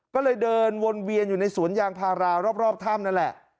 ก็เลยเดินวนเวียนอยู่ในสวนยางพารารอบถ้ำนั่นแหละ